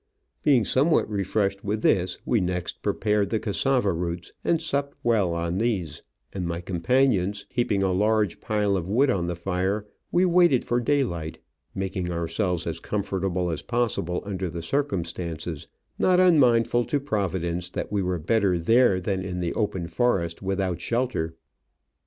Being some what refreshed with this, we next prepared the cassava roots and supped well on these, and my companions heaping a large pile of wood on the fire, we waited for daylight, making ourselves as comfortable as possible under the circumstances, not unmindful to Providence that we were better there than in the open forest without shelter.